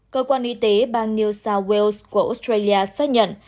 cơ quan y tế bang new south wales của australia xác nhận